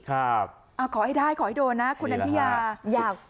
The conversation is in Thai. ขอให้ได้ขอให้โดนนะคุณนันทิยาอยาก